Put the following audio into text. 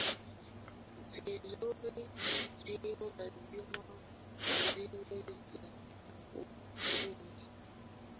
virusi siyo lazima viwe vya ukimwi